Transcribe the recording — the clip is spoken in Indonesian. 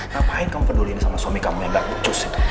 ngapain kamu peduliin sama suami kamu yang gak becus itu